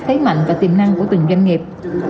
khấy mạnh và tiềm năng của từng doanh nghiệp